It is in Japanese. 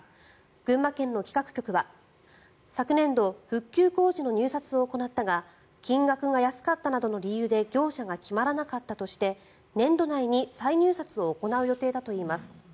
群馬県の企画局は昨年度、復旧工事の入札を行ったが金額が安かったなどの理由で業者が決まらなかったとして年度内に再入札を行う予定だといいます。